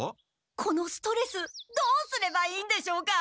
このストレスどうすればいいんでしょうか？